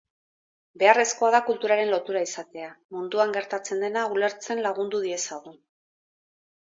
Beharrezkoa da kulturaren lotura izatea, munduan gertatzen dena ulertzen lagundu diezagun.